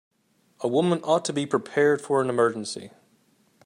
A woman ought to be prepared for any emergency.